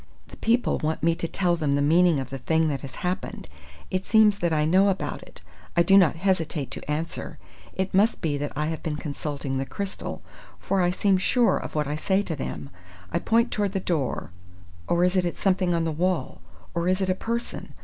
"The people want me to tell them the meaning of the thing that has happened. It seems that I know about it. I do not hesitate to answer. It must be that I have been consulting the crystal, for I seem sure of what I say to them! I point toward the door or is it at something on the wall or is it a person?